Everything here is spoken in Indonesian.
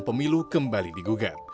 dan pemilu kembali digugat